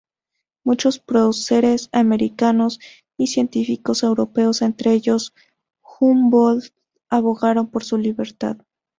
Muchos próceres americanos y científicos europeos, entre ellos Humboldt, abogaron por su libertad.